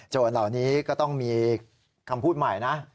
เหล่านี้ก็ต้องมีคำพูดใหม่นะ